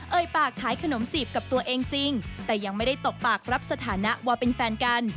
ปากขายขนมจีบกับตัวเองจริงแต่ยังไม่ได้ตกปากรับสถานะว่าเป็นแฟนกัน